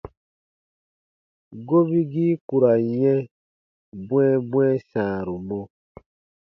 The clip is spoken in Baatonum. Gobigii ku ra n yɛ̃ bwɛ̃ɛbwɛ̃ɛ sãaru mɔ.